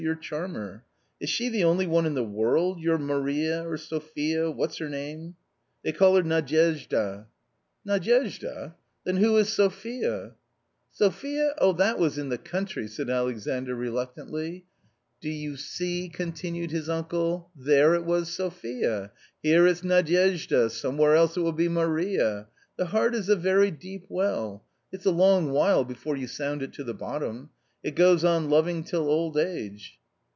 your charmer. Is she the only one in the world — your Maria or Sophia — what's her name ?"" They call her Nadyezhda." A COMMON STORY 133 " Nadyezhda ? then who is Sophia ?"" Sophia 1 oh, that was in the country," said Alexandr reluctantly. " Do you see ?" continued his uncle, " there it was Sophia, here it's Nadyezhda, somewhere else it will be Maria. The heart is a very deep well ; it's a long while before you sound it to the bottom. It goes on loving till old age."